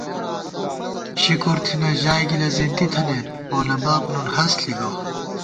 شِکُرتھنہ ژائگِلہ زېنتی تھنَئیت، پولہ باب نُن ہست ݪی گہ